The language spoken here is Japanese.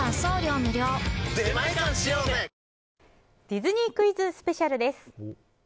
ディズニークイズスペシャルです。